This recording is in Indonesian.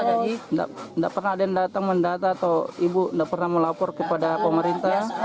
tidak pernah ada yang datang mendata atau ibu tidak pernah melapor kepada pemerintah